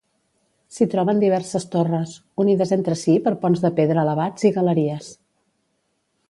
S'hi troben diverses torres, unides entre si per ponts de pedra elevats i galeries.